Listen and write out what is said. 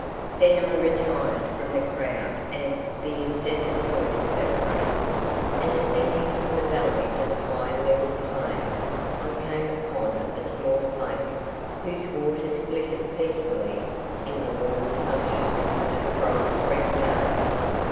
Then I retired from the crowd and the incessant noise of cradles, and ascending from the valley to the high level plain, I came upon a small lake, whose waters glittered peacefully in the warm sunshine of a bright spring day.